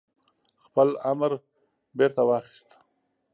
خپل امر بيرته واخيست